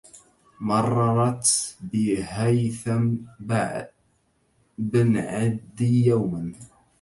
مررت بهيثم بن عدي يوما